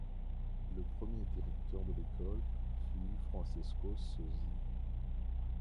Le premier directeur de l'école fut Francesco Sozzi.